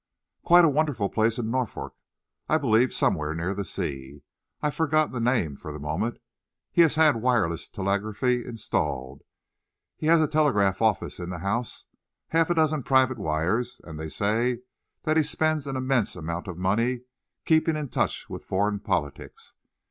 "Quite a wonderful place in Norfolk, I believe, somewhere near the sea. I've forgotten the name, for the moment. He has had wireless telegraphy installed; he has a telegraph office in the house, half a dozen private wires, and they say that he spends an immense amount of money keeping in touch with foreign politics.